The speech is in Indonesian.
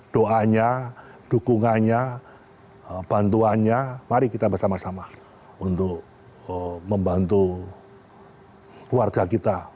doanya dukungannya bantuannya mari kita bersama sama untuk membantu keluarga kita